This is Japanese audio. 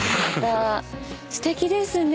すてきですね。